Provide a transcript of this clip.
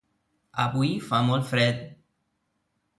Avui fa molt fred.